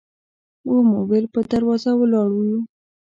و مو ویل په دروازه ولاړ یو.